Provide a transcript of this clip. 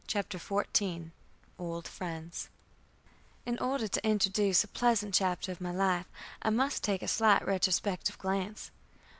CHAPTER XIV OLD FRIENDS In order to introduce a pleasant chapter of my life, I must take a slight retrospective glance.